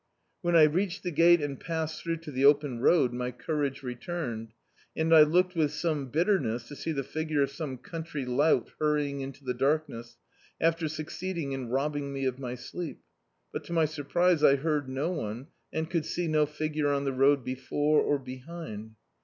When I reached the gate, and passed through to the open road, my courage returned, and I looked with sane bitterness to see the figure of some country lout hurrying into the darkness, after succeeding in rob bing me of my sleep; but, to my surprise, I heard no one, and could see no figure on the road before or behind.